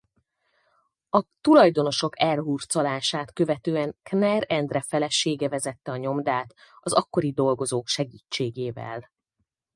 A tulajdonosok elhurcolását követően Kner Endre felesége vezette a nyomdát az akkori dolgozók segítségével.